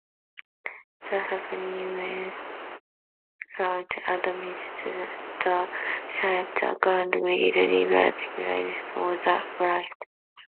The Supreme Court administrator said the court will review guidelines for the writ.